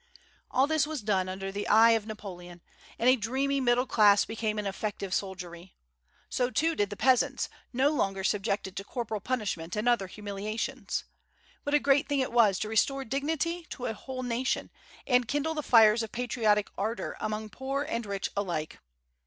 All this was done under the eye of Napoleon, and a dreamy middle class became an effective soldiery. So, too, did the peasants, no longer subjected to corporal punishment and other humiliations. What a great thing it was to restore dignity to a whole nation, and kindle the fires of patriotic ardor among poor and rich alike!